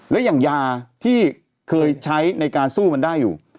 และอย่างยาที่เคยใช้ในการสู้มันได้อยู่